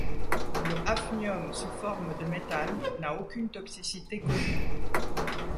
Le hafnium sous forme de métal n'a aucune toxicité connue.